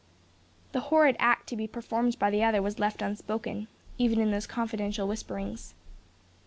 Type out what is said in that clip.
The horrid act to be performed by the other was left unspoken, even in those confidential whisperings.